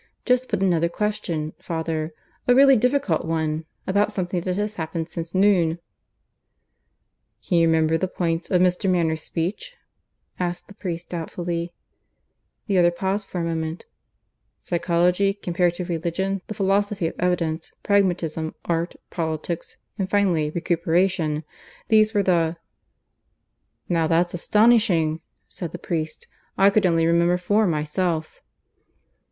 Just put another question, father a really difficult one about something that has happened since noon." "Can you remember the points of Mr. Manners' speech?" asked the priest doubtfully. The other paused for a moment. "Psychology, Comparative Religion, the Philosophy of Evidence, Pragmatism, Art, Politics, and finally Recuperation. These were the " "Now that's astonishing!" said the priest. "I could only remember four myself."